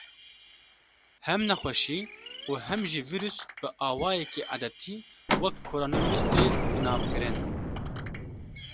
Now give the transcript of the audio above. Hem nexweşî û hem jî vîrus bi awayekî edetî wek “koronavîrus” tê binavkirin.